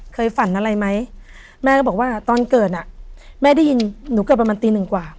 เคยฝันอะไรไหมแม่ก็บอกว่าตอนเกิดอ่ะแม่ได้ยินหนูเกิดประมาณตีหนึ่งกว่า